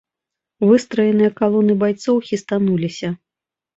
Выстраеныя калоны байцоў хістануліся.